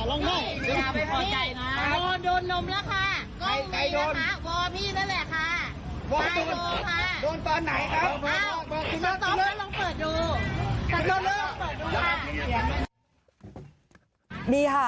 ตายโกงค่ะโดนตอนไหนครับอ้าวลองเปิดดูลองเปิดดูค่ะนี่ค่ะ